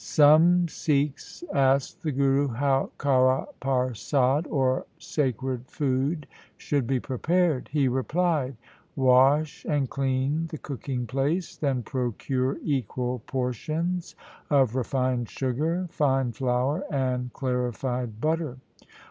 Some Sikhs asked the Guru how karah parsad or sacred food should be prepared. He replied :' Wash and clean the cooking place, then procure equal portions of refined sugar, fine flour, and clarified butter.